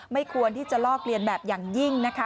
ไม่ควรที่จะลอกเลียนแบบอย่างยิ่งนะคะ